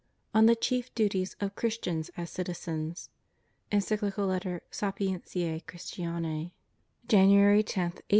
ON THE CHIEF DUTIES OF CHRISTIANS AS CITIZENS. Encyclical Letter SapienticB Christiance, January 10, 1890.